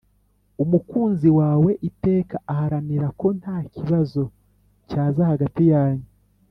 umukunzi wawe iteka aharanira ko ntakibazo cyaza hagati yanyu.